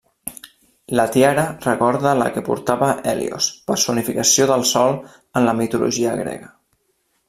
La tiara recorda la que portava Hèlios, personificació del Sol en la mitologia grega.